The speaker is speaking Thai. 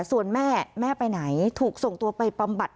ส่วนแม่แม่ไปไหนถูกส่งตัวไปบำบัด